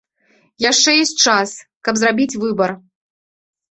Яшчэ ёсць час, каб зрабіць выбар.